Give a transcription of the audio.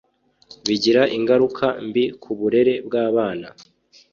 bigira ingaruka mbi ku burere bw’abana”